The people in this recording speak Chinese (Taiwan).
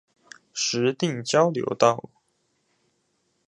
石碇交流道